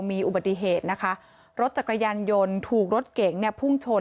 มีอุบัติเหตุนะคะรถจักรยานยนต์ถูกรถเก๋งเนี่ยพุ่งชน